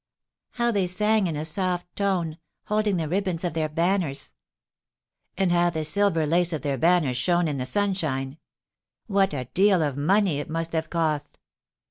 "How they sang in a soft tone, holding the ribands of their banners!" "And how the silver lace of their banners shone in the sunshine! What a deal of money it must have cost!"